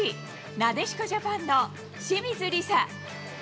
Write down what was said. なでしこジャパンの清水梨紗。